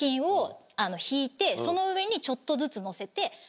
その上にちょっとずつ。